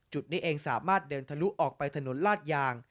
จุดนี้เองสามารถเดินทะลุออกไปถนนลาดยาง